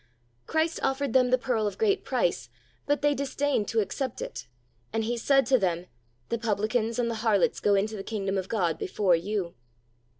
"" Christ offered them the pearl of great price; but they disdained to accept it, and He said to them, "The publicans and the harlots go into the kingdom of God before you."